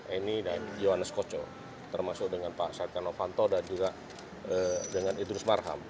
ini dan yohanes koco termasuk dengan pak sarkanovanto dan juga dengan idrus marham